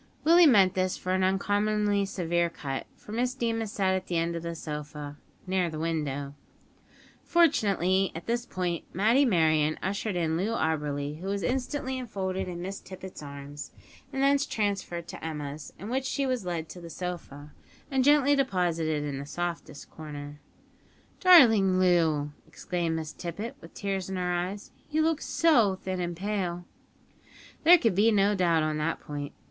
Willie meant this for an uncommonly severe cut; for Miss Deemas sat at the end of the sofa, near the window! Fortunately, at this point, Matty Merryon ushered in Loo Auberly, who was instantly enfolded in Miss Tippet's arms, and thence transferred to Emma's, in which she was led to the sofa, and gently deposited in the softest corner. "Darling Loo!" exclaimed Miss Tippet, with tears in her eyes; "you look so thin and pale." There could be no doubt on that point.